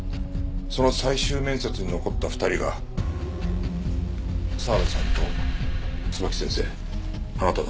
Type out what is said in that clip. その最終面接に残った２人が澤部さんと椿木先生あなただ。